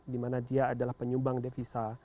dimana dia adalah penyumbang devisa